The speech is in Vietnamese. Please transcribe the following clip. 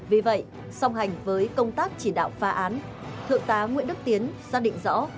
vì vậy song hành với công tác chỉ đạo phá án thượng tá nguyễn đức tiến xác định rõ